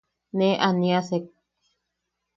Ne aaniasek.